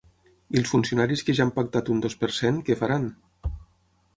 I els funcionaris que ja han pactat un dos per cent, què faran?